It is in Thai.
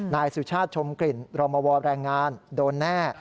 นายสุชาติชมกลิ่นรอมวแรงงานโดนแน่